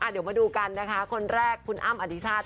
เดี๋ยวมาดูกันนะคะคนแรกคุณอ้ำอธิชาติ